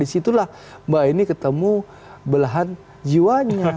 di situlah mbak ieni ketemu belahan jiwanya